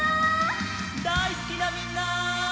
だいすきなみんな！